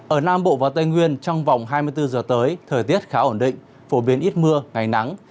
ở nam bộ và tây nguyên trong vòng hai mươi bốn giờ tới thời tiết khá ổn định phổ biến ít mưa ngày nắng